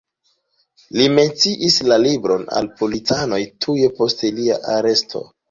Li menciis la libron al policanoj tuj post lia aresto.